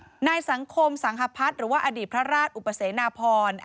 นายสังคมสังหพัฒน์หรือว่าอดีตพระราชอุปเสนาพร